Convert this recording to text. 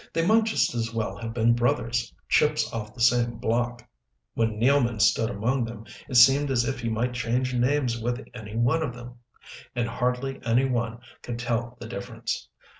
They might just as well have been brothers, chips off the same block. When Nealman stood among them it seemed as if he might change names with any one of them, and hardly any one could tell the difference.